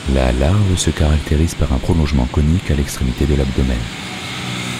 La larve se caractérise par un prolongement conique à l'extrémité de l'abdomen.